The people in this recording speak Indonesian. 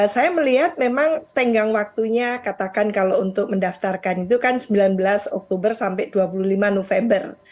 saya melihat memang tenggang waktunya katakan kalau untuk mendaftarkan itu kan sembilan belas oktober sampai dua puluh lima november